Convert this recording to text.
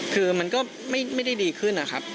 คือมันก็ไม่ได้ดีขึ้นนะครับ